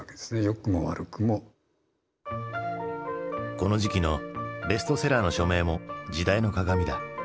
この時期のベストセラーの書名も時代の鏡だ。